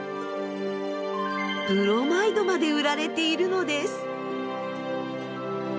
ブロマイドまで売られているのです。